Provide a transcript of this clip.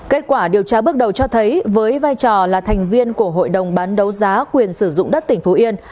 kết quả điều tra bước đầu cho thấy với vai trò là thành viên của hội đồng bán đấu giá quyền sử dụng đất tỉnh phú yên